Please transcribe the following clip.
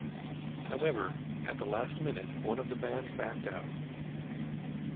However, at the last minute, one of the bands backed out.